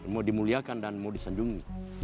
mau dimuliakan dan mau disanjungi